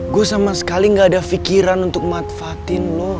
gue sama sekali enggak ada fikiran untuk manfaatin lo